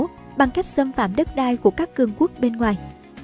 mà còn mở rộng lãnh thổ bằng cách xâm phạm đất đai của các cường quốc bên ngoài